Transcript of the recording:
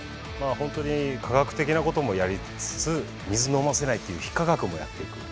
ほんとに科学的なこともやりつつ水飲ませないっていう非科学もやっていく。